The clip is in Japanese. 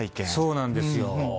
そうなんですよ。